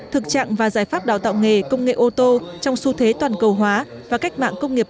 thực trạng và giải pháp đào tạo nghề công nghệ ô tô trong xu thế toàn cầu hóa và cách mạng công nghiệp bốn